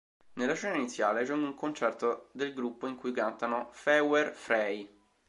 Nella scena iniziale c'è un concerto del gruppo in cui cantano "Feuer frei!